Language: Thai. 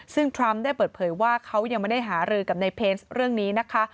ซึ่งทรัมป์ได้เปิดเผยว่าเขายังไม่ได้หารือกับในเพลสเรื่องนี้นะคะ